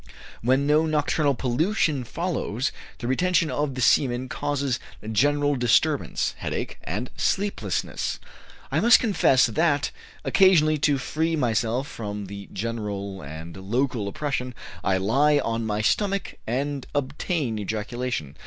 When no nocturnal pollution follows, the retention of the semen causes general disturbance, headache, and sleeplessness. I must confess that, occasionally, to free myself from the general and local oppression, I lie on my stomach and obtain ejaculation.